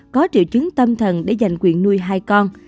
có triệu chứng tâm thần để giành quyền nuôi hai con